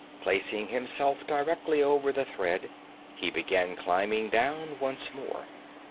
Placing himself directly over the thread, he began climbing down once more.